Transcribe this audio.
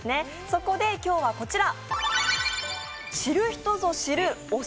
そこで今日はこちら。